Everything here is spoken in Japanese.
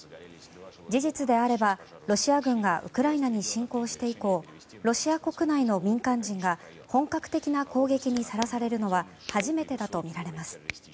事実であればロシア軍がウクライナに侵攻して以降ロシア国内の民間人が本格的な攻撃にさらされるのは初めてだとみられます。